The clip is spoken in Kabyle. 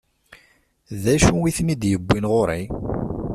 D acu i ten-id-iwwin ɣur-i?